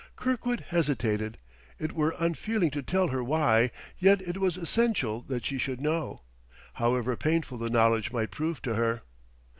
Kirkwood hesitated. It were unfeeling to tell her why; yet it was essential that she should know, however painful the knowledge might prove to her.